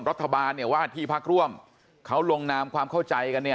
รัฐบาลเนี่ยว่าที่พักร่วมเขาลงนามความเข้าใจกันเนี่ย